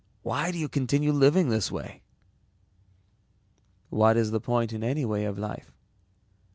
Why do you continue living this way?" "What is the point in any way of life?